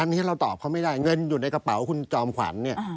อันนี้เราตอบเขาไม่ได้เงินอยู่ในกระเป๋าคุณจอมขวัญเนี่ย